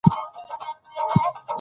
فقره د موضوع حدود ټاکي.